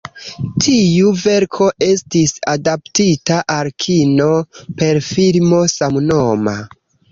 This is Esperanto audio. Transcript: Tiu verko estis adaptita al kino, per filmo samnoma.